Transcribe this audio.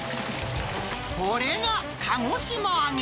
これが鹿児島揚げ。